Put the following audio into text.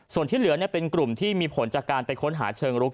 ส่วนที่เหลือเป็นกลุ่มที่มีผลจากการไปค้นหาเชิงรุก